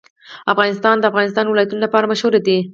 افغانستان د د افغانستان ولايتونه لپاره مشهور دی.